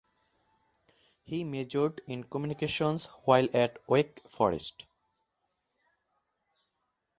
He majored in Communications while at Wake Forest.